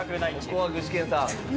ここは具志堅さん。